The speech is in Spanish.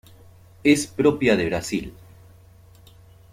Es propia de Brasil.